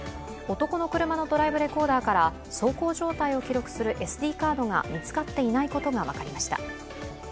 男の車のドライブレコーダーから走行状態を記録するＳＤカードが見つかっていないことが分かりました。